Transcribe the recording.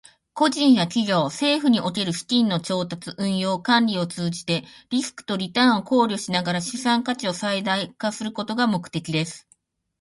個人や企業、政府における資金の調達、運用、管理を通じて、リスクとリターンを考慮しながら資産価値を最大化することが目的です。